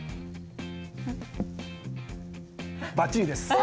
ばっちりです。